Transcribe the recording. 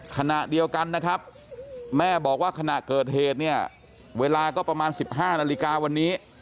ขณะเดียวกันนะครับแม่บอกว่าขณะเกิดเหตุเนี่ยเวลาก็ประมาณ๑๕นาฬิกาวันนี้